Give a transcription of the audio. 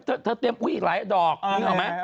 เออเดี๋ยวเธอเตรียมอุ๊ยอีกหลายอะดอกรู้หรอไหมนะ